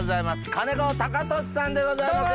金子貴俊さんでございます。